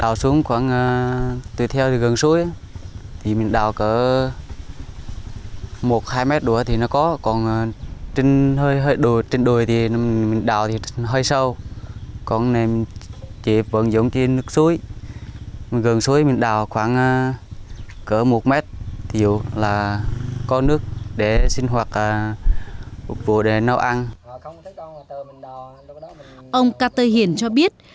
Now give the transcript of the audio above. ông cát tơ hiền cho biết